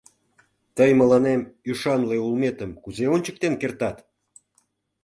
Тый мыланем ӱшанле улметым кузе ончыктен кертат?